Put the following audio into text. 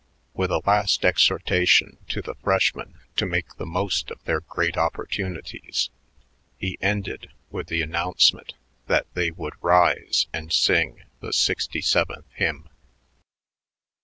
With a last exhortation to the freshmen to make the most of their great opportunities, he ended with the announcement that they would rise and sing the sixty seventh hymn.